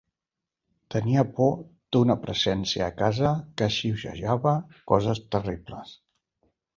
Tenia por d'una presència a casa que xiuxiuejava coses terribles.